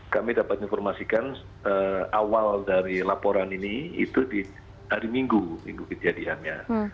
kami dapat informasikan awal dari laporan ini itu di hari minggu minggu kejadiannya